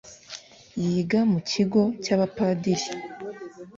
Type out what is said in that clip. yiga mu kigo cya abapadiri